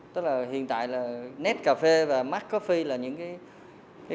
tức là hiện tại là net cà phê và mac coffee là những cái công ty